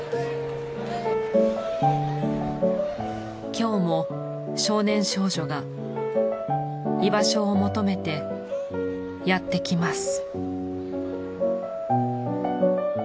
今日も少年少女が居場所を求めてやってきます。